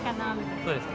そうですね。